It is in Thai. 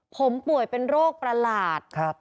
ผมป่วยเป็นโรคประหลาด